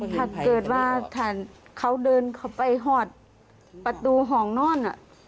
ถ้าเกิดว่าเขาเดินเข้าไปหอดประตูห้องนอน